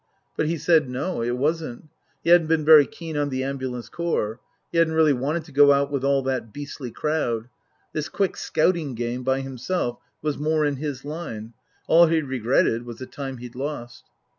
But he said, No ; it wasn't. He hadn't been very keen on the Ambulance Corps. He hadn't really wanted to go out with ah 1 that beastly crowd. This quick scouting game by himself was more in his line. All he regretted was the time he'd lost.